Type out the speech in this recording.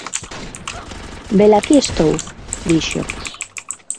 “Velaquí estou”, dixo.